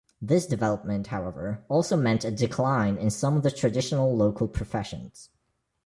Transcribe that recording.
This development, however, also meant a decline in some of the traditional local professions.